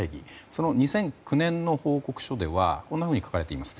その２００９年の報告書ではこんなふうに書かれています。